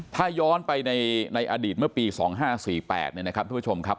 ถ้าย้อนไปในอดีตเมื่อปี๒๕๔๘เนี่ยนะครับทุกผู้ชมครับ